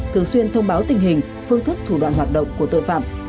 thường xuyên thông báo tình hình phương thức thủ đoạn hoạt động của tội phạm